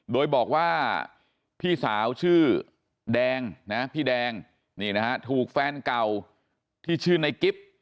โดยบอกว่าพี่สาวชื่อแดงนะพี่แดงนี่นะฮะถูกแฟนเก่าที่ชื่อในกิฟต์